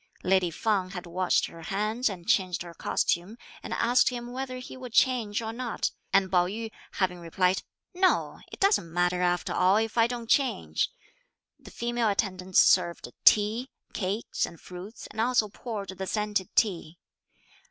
Lady Feng had washed her hands and changed her costume; and asked him whether he would change or not, and Pao yü, having replied "No! it doesn't matter after all if I don't change," the female attendants served tea, cakes and fruits and also poured the scented tea.